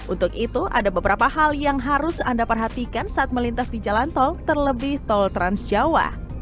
untuk itu ada beberapa hal yang harus anda perhatikan saat melintas di jalan tol terlebih tol trans jawa